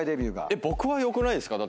えっ僕はよくないですか？